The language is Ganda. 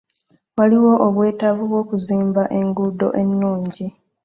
Waliwo obwetavu bw'okuzimba enguuddo ennungi.